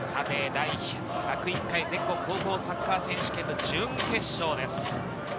第１０１回全国高校サッカー選手権の準決勝です。